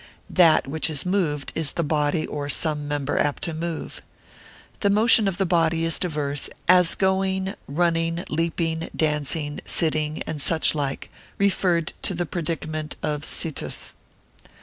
That which is moved, is the body or some member apt to move. The motion of the body is divers, as going, running, leaping, dancing, sitting, and such like, referred to the predicament of situs.